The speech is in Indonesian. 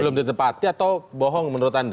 belum ditepati atau bohong menurut anda